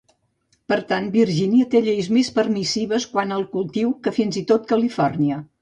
Per tant, Virgínia té lleis més permissives quant al cultiu que fins i tot Califòrnia.